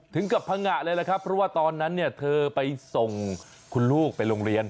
ถึงกับพังงะเลยล่ะครับเพราะว่าตอนนั้นเนี่ยเธอไปส่งคุณลูกไปโรงเรียน